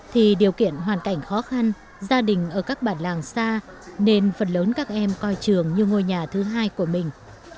thì điều kiện hoàn cảnh khó khăn gia đình ở các bản làng xa nên phần lớn các em coi trường như ngôi nhà thứ hai của mình